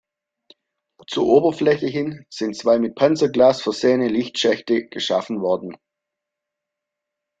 Zur Oberfläche hin sind zwei mit Panzerglas versehene Lichtschächte geschaffen worden.